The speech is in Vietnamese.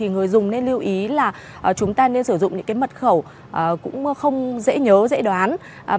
người dùng nên lưu ý là chúng ta nên sử dụng những mật khẩu cũng không dễ nhớ dễ đoán